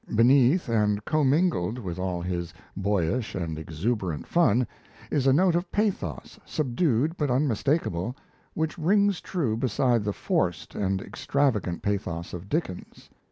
Beneath and commingled with all his boyish and exuberant fun is a note of pathos subdued but unmistakable, which rings true beside the forced and extravagant pathos of Dickens.